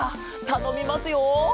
たのみますよ。